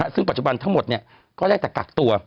ซึ่งปัจจุบันทั้งหมดก็ได้แต่กักตัว